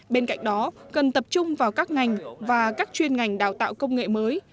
bên cạnh đó cần tập trung vào các ngành và các chuyên ngành đào tạo công nghệ mới